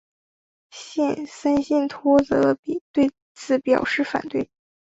森信托则对此表达反对。